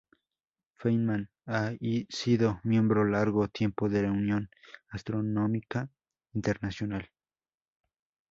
Feynman ha sido miembro largo tiempo de la Unión Astronómica Internacional.